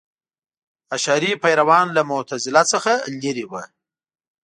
اشعري پیروان له معتزله څخه لرې وو.